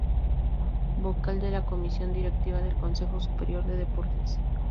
Vocal de la Comisión Directiva del Consejo Superior de Deportes.